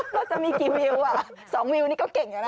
เราจะมีกี่วิวสองวิวนี่ก็เก่งกันนะ